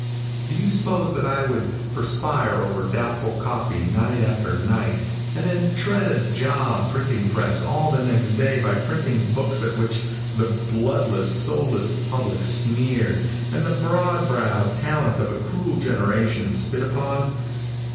Do you suppose that I would perspire over doubtful copy night after night, and then tread a job printing press all the next day printing books at which the bloodless, soulless public sneered, and the broad browed talent of a cruel generation spit upon?